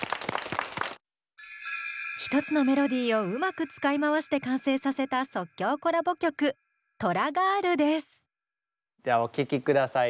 １つのメロディーをうまく使い回して完成させた即興コラボ曲ではお聴きください。